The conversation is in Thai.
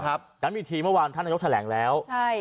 นะครับการมีทีเมื่อวานท่านนักยกต์แถลงแล้วใช่